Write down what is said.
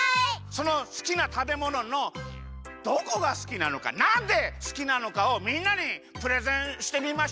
そのすきなたべもののどこがすきなのかなんですきなのかをみんなにプレゼンしてみましょ。